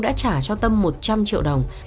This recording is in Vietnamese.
đã trả cho tâm một trăm linh triệu đồng